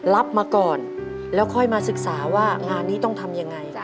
รับมาก่อนแล้วค่อยมาศึกษาว่างานนี้ต้องทำยังไง